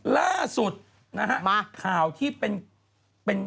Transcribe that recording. ล่าสุดข่าวที่เป็น